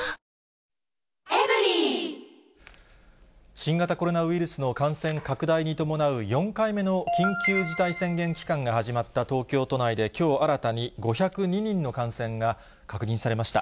新型コロナウイルスの感染拡大に伴う４回目の緊急事態宣言期間が始まった東京都内で、きょう新たに５０２人の感染が確認されました。